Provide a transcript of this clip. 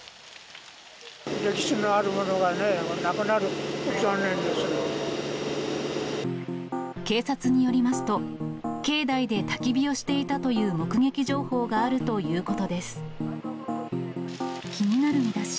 歴史のあるものがなくなる、警察によりますと、境内でたき火をしていたという目撃情報があるということです。